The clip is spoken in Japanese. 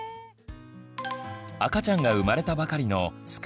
赤ちゃんが生まれたばかりのすく